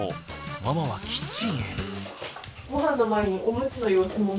ママはキッチンへ。